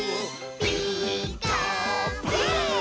「ピーカーブ！」